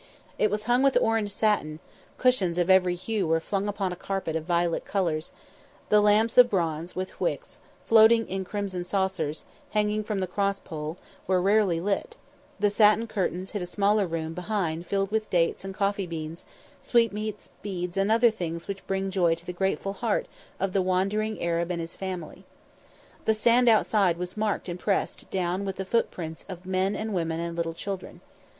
It was hung with orange satin; cushions of every hue were flung upon a carpet of violent colours; the lamps of bronze with wicks floating in crimson saucers, hanging from the crosspole, were rarely lit; the satin curtains hid a smaller room behind filled with dates and coffee beans, sweetmeats, beads and other things which bring joy to the grateful heart of the wandering Arab and his family. The sand outside was marked and pressed, down with footprints of men and women and little children.